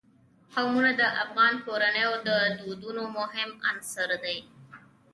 قومونه د افغان کورنیو د دودونو مهم عنصر دی.